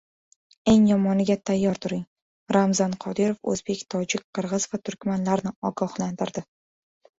"Eng yomoniga tayyor turing": Ramzan Qodirov o‘zbek, tojik, qirg‘iz va turkmanlarni ogohlantirdi